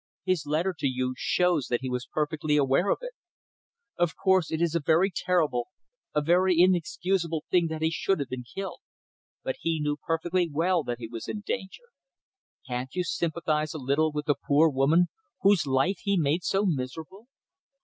His letter to you shows that he was perfectly aware of it. Of course, it is a very terrible, a very inexcusable thing that he should have been killed. But he knew perfectly well that he was in danger. Can't you sympathize a little with the poor woman whose life he made so miserable?